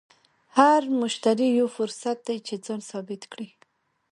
هر مشتری یو فرصت دی چې ځان ثابت کړې.